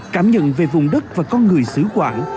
cảm nhận về vùng đất và con người xứ quảng